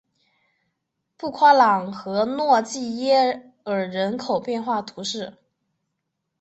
布夸朗和诺济耶尔人口变化图示